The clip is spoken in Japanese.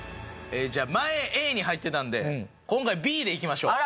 じゃあ前Ａに入ってたんで今回Ｂでいきましょう。